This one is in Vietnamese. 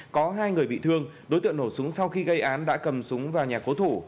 có hai người bị thương đối tượng nổ súng sau khi gây án đã cầm súng vào nhà cố thủ